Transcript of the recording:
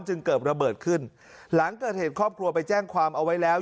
จึงเกิดระเบิดขึ้นหลังเกิดเหตุครอบครัวไปแจ้งความเอาไว้แล้ว